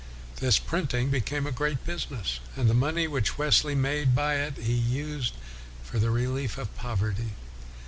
This printing became a great business, and the money \vhich Wesley made by it he used for the relief of poverty.